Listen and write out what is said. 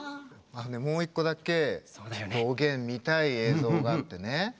もう一個だけおげん見たい映像があってね